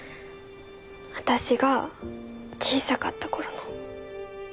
あたしが小さかった頃の。